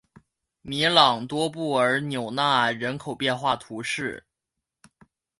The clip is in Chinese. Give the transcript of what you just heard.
米朗多布尔纽纳人口变化图示